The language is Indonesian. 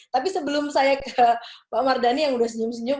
tapi sebelum saya ke pak mardhani yang sudah senyum senyum